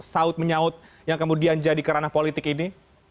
saud menyaut yang kemudian jadi kerana politik ini